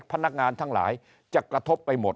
พนักงานทั้งหลายจะกระทบไปหมด